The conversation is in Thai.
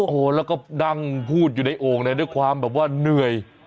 โอ้โหแล้วก็นั่งพูดอยู่ในโอ่งเลยด้วยความแบบว่าเหนื่อย